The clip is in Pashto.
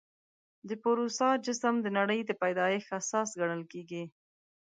د پوروسا جسم د نړۍ د پیدایښت اساس ګڼل کېږي.